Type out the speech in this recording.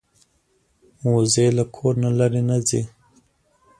وزې له کور نه لرې نه ځي